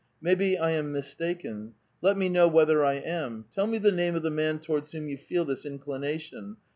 Maybe I am mistaken. Let mj know whether I am. Tell me the name of the man towards whom you feel this inclination.